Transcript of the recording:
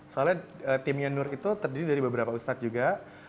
soalnya timnya nur itu terdiri dari beberapa ustadz juga